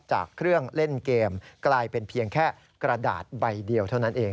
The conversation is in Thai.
จากเครื่องเล่นเกมกลายเป็นเพียงแค่กระดาษใบเดียวเท่านั้นเอง